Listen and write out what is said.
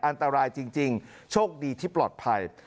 อันตรายจริงโชคดีที่ปลอดภัย